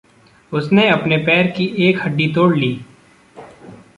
उसने अपने पैर की एक हड्डी तोड़ ली।